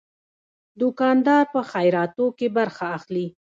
دوکاندار په خیراتو کې برخه اخلي.